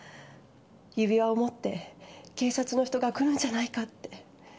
指輪を持って警察の人が来るんじゃないかって。